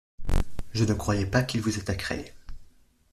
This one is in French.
Je ne croyais pas qu'ils vous attaqueraient.